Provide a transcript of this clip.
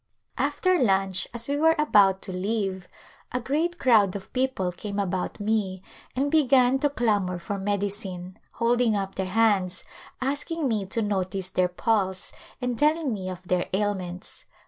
After lunch, as we were about to leave, a great crowd of people came about me and began to clamor for medicine, holding up their hands, asking me to notice their pulse, and telling me of their ailments.